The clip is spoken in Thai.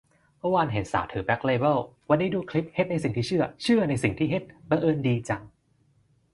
เมื่อวานเห็นสาวถือแบ็คเลเบิล วันนี้ดูคลิป "เฮ็ดในสิ่งที่เซื่อ เซื่อในสิ่งที่เฮ็ด" บังเอิญดีจัง